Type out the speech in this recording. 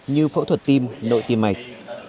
như phẫu thuật tiêm nội tiêm mạch